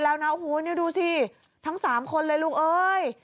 แล้วนะโอ้โหนี่ดูสิทั้ง๓คนเลยลูกเอ้ย